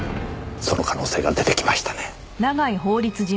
その可能性が出てきましたね。